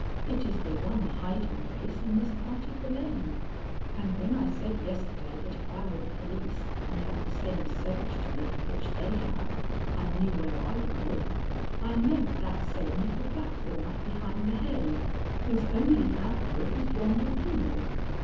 It is the one hiding place in this part of the lane; and when I said yesterday that if I were the police and had the same search to make which they have, I knew where I would look, I meant that same little platform up behind the hay, whose only outlook is yonder window.